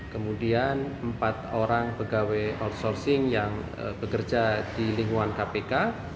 kemudian empat orang pegawai outsourcing yang bekerja di lingkungan kpk